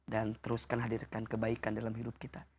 dan teruskan hadirkan kebaikan dalam hidup kita